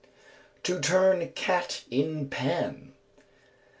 _To turn Cat in Pan.